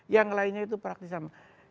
yang lainnya itu praktis sama